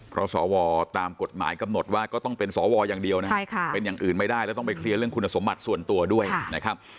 เพราะสวตามกฎหมายกำหนดว่าก็ต้องเป็นสวอย่างเดียวนะครับเป็นอย่างอื่นไม่ได้แล้วต้องไปเคลียร์เรื่องคุณสมบัติส่วนตัวด้วยนะครับ